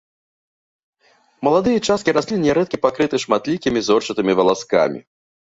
Маладыя часткі раслін нярэдка пакрыты шматлікімі зорчатымі валаскамі.